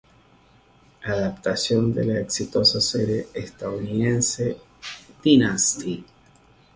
Adaptación de la exitosa serie estadounidense Dynasty.